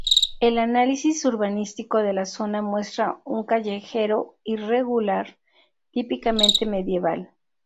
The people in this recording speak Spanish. El análisis urbanístico de la zona muestra un callejero irregular, típicamente medieval.